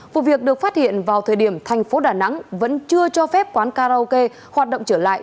vụ việc được phát hiện vào thời điểm thành phố đà nẵng vẫn chưa cho phép quán karaoke hoạt động trở lại